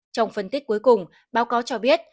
trong phân tích cuối cùng báo cáo cho biết